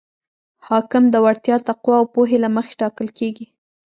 حاکم د وړتیا، تقوا او پوهې له مخې ټاکل کیږي.